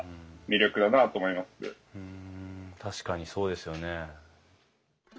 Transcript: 確かにそうですよね。